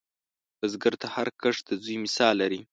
بزګر ته هر کښت د زوی مثال لري